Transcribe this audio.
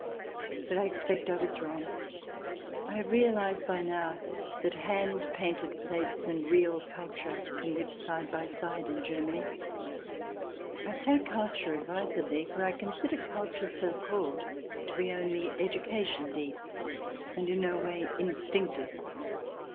But I expect I was wrong : I have realized by now that hand painted plates and real culture can live side by side in Germany. I say " culture " advisedly, for I consider culture, so called, to be only education deep, and in no way instinctive.